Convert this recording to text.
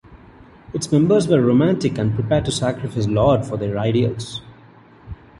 Its members were romantic and prepared to sacrifice a lot for their ideals.